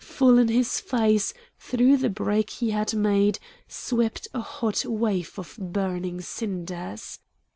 Full in his face, through the break he had made, swept a hot wave of burning cinders.